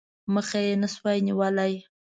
مخه یې نه سوای نیولای.